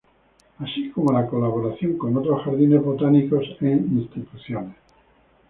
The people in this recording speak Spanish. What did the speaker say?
Así como la colaboración con otros jardines botánicos e instituciones.